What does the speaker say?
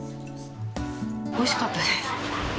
おいしかったです。